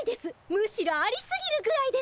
むしろありすぎるぐらいですよ！